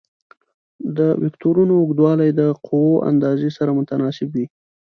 د وکتورونو اوږدوالی د قوو اندازې سره متناسب وي.